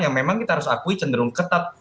yang memang kita harus akui cenderung ketat